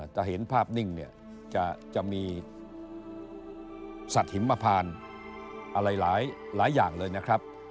แต่เห็นภาพนิ่งเนี่ยจะมีสัตว์หิมพานอะไรหลายอย่างเลยนะครับ